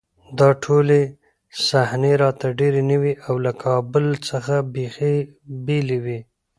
دا ټولې صحنې راته ډېرې نوې او له کابل څخه بېخي بېلې وې